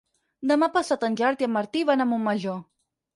Demà passat en Gerard i en Martí van a Montmajor.